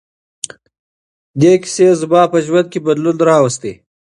دې کیسې زما په ژوند کې بدلون راوست.